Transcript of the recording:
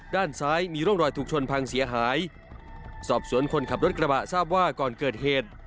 ด้านซ้ายมีร่องรอยถูกชนพังเสียหายสอบสวนคนขับรถกระบะทราบว่าก่อนเกิดเหตุ